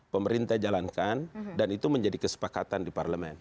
pemerintah jalankan dan itu menjadi kesepakatan di parlemen